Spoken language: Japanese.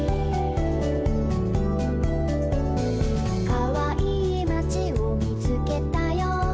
「かわいいまちをみつけたよ」